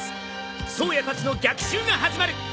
颯也たちの逆襲が始まる！